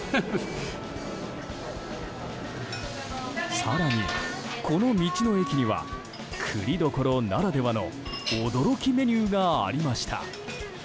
更に、この道の駅には栗どころならではの驚きメニューがありました。